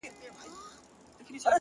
ارام وي هیڅ نه وايي سور نه کوي شر نه کوي